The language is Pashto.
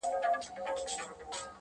چي دولتمند یې که دربدر یې،